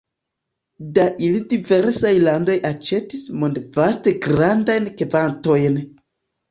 Da ili diversaj landoj aĉetis mondvaste grandajn kvantojn.